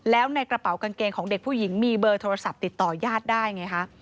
แล้วในกระเป๋ากางเกงของเด็กผู้หญิงมีเบอร์โทรศัพท์ติดต่อยาดได้ไงคะ